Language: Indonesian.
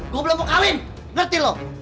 gue belum mau kawin ngerti loh